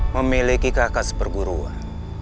memiliki kakas perguruan